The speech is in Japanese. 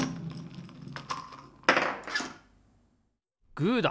グーだ！